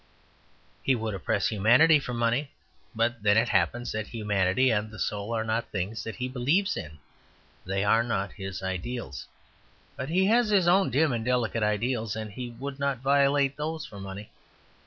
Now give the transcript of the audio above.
He would oppress humanity for money; but then it happens that humanity and the soul are not things that he believes in; they are not his ideals. But he has his own dim and delicate ideals; and he would not violate these for money.